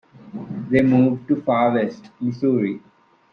They moved to Far West, Missouri.